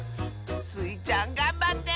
スイちゃんがんばって！